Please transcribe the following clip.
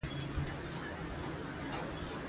ډیر خواړه وزن زیاتوي